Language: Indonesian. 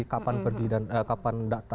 kapan datang dan perginya gitu kan